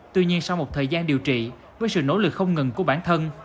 tuy nhiên sau một thời gian điều trị với sự nỗ lực không ngừng của bản thân